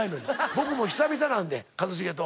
僕も久々なんで一茂と。